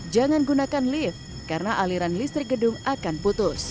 jangan gunakan lift karena aliran listrik gedung akan putus